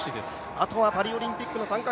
あとはパリオリンピックの参加